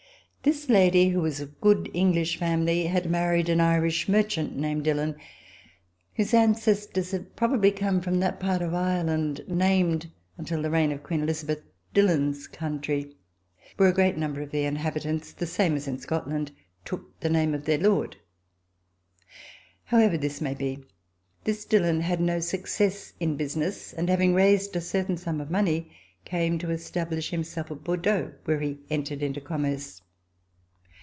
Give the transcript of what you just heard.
This lady, who was of a good English family, had married an Irish merchant named Dil lon, whose ancestors had probably come from that part of Ireland named, until the reign of Queen VISITS TO LANGUEDOC Elizabeth, "Dillon's country," where a great number of the inhabitants, the same as in Scotland, took the name of their lord. However this may be, this Dillon had no success in business, and, having raised a certain sum of money, came to establish himself at Bordeaux, where he entered into commerce.